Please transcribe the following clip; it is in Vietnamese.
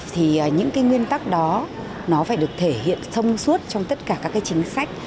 thì những cái nguyên tắc đó nó phải được thể hiện thông suốt trong tất cả các cái chính sách